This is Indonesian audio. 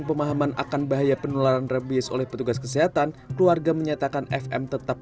pemahaman akan bahaya penularan rabies oleh petugas kesehatan keluarga menyatakan fm tetap